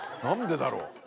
何でだろう？